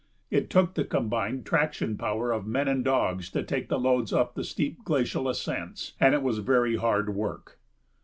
It took the combined traction power of men and dogs to take the loads up the steep glacial ascents, and it was very hard work.